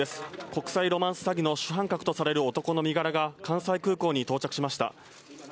国際ロマンス詐欺の主犯格とされる男の身柄が関西空港に到着しました。